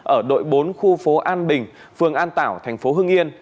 ở đội bốn khu phố an bình phường an tảo thành phố hưng yên